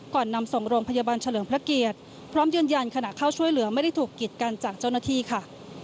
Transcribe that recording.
นำส่งโรงพยาบาลเฉลิมพระเกียรติพร้อมยืนยันขณะเข้าช่วยเหลือไม่ได้ถูกกิดกันจากเจ้าหน้าที่ค่ะ